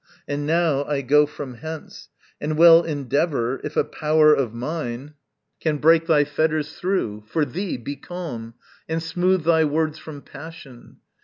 And now, I go from hence, And will endeavour if a power of mine Can break thy fetters through. For thee, be calm, And smooth thy words from passion.